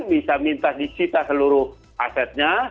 bisa minta disita seluruh asetnya